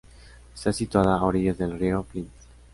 Está situada a orillas del río Flint.